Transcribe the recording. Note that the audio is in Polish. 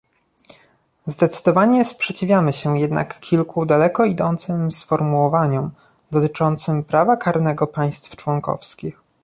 Zdecydowanie sprzeciwiamy się jednak kilku daleko idącym sformułowaniom dotyczącym prawa karnego państw członkowskich